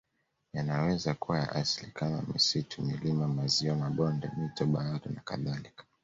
Yanaweza kuwa ya asili kama misitu milima maziwa mabonde mito bahari nakadhalka